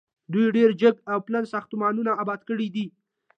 دوی ډیر جګ او پلن ساختمانونه اباد کړي دي.